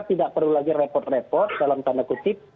tidak perlu lagi repot repot dalam tanda kutip